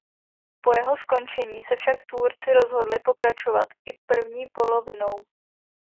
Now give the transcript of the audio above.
Po jeho skončení se však tvůrci rozhodli pokračovat i první polovinou.